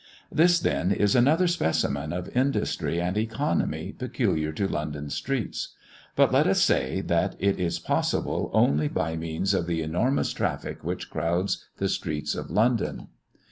This, then, is another specimen of industry and economy peculiar to London streets. But, let us say, that it is possible only by means of the enormous traffic which crowds the streets of London.